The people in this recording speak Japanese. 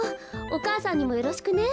お母さんにもよろしくね。